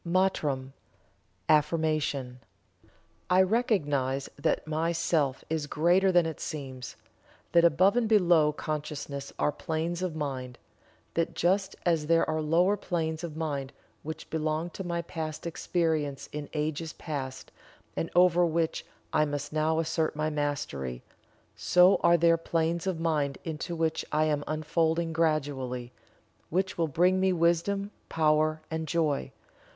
MANTRAM (AFFIRMATION). I recognize that my Self is greater than it seems that above and below consciousness are planes of mind that just as there are lower planes of mind which belong to my past experience in ages past and over which I must now assert my Mastery so are there planes of mind into which I am unfolding gradually, which will bring me wisdom, power, and joy.